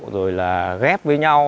rồi là ghép với nhau